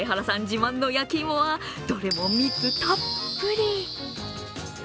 自慢の焼き芋はどれも、蜜たっぷり。